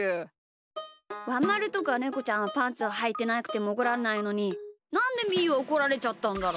ワンまるとかネコちゃんはパンツをはいてなくてもおこらんないのになんでみーはおこられちゃったんだろう。